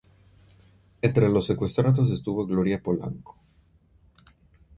Entre los secuestrados estuvo Gloria Polanco.